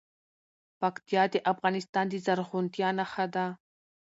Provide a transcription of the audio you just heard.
پکتیا د افغانستان د زرغونتیا نښه ده.